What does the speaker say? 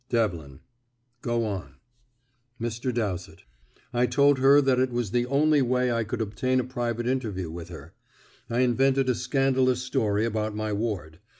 Devlin: "Go on." Mr. Dowsett: "I told her it was the only way I could obtain a private interview with her. I invented a scandalous story about my ward.